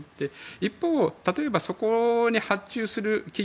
一方、例えばそこに発注する企業